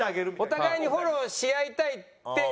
お互いにフォローし合いたいって言ってるのね。